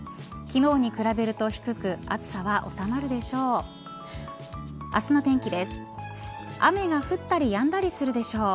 昨日に比べると低く暑さは収まるでしょう。